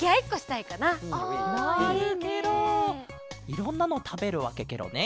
いろんなのたべるわけケロね。